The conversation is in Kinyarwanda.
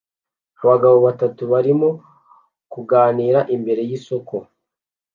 Abagabo batatu barimo kuganira imbere yisoko